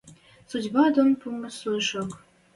Судьба дон пумы соэшок!